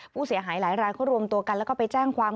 ผู้เสียหายหลายรายเขารวมตัวกันแล้วก็ไปแจ้งความ